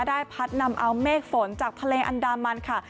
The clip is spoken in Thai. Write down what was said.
ได้พัดนำเอาเมฆฝนจากทะเลอันดามันค่ะ